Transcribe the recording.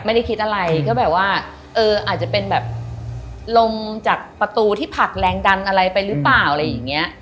ไม่ได้คิดอะไรก็แบบว่าเอออาจจะเป็นแบบลงจากประตูที่ผลักแรงดันอะไรไปหรือเปล่าอะไรอย่างเงี้ย